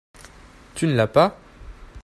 Tu ne l'as pas ?